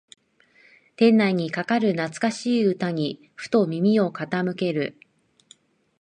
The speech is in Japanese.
店内にかかる懐かしい歌にふと耳を傾ける